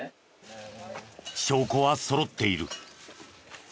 証拠はそろっている。